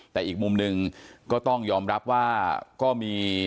แต่อีกมุมหนึ่งก็ต้องยอมรับว่าก็มี